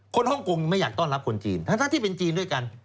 ฮ่องกงไม่อยากต้อนรับคนจีนทั้งที่เป็นจีนด้วยกัน